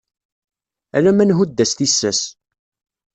Ala ma nhudd-as tissas.